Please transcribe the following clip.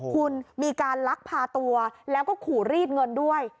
คุณมีการลักพาตัวแล้วก็ขู่รีดเงินด้วย